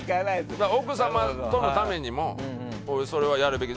奥様とのためにもそれはやるべき。